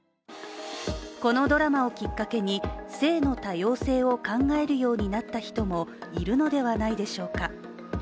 このドラマをきっかけに、性の多様性を考えるようになった人もいるのではないでしょうか。